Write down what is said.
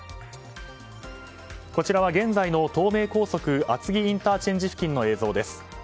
こちらは現在の東名高速厚木ＩＣ付近の映像です。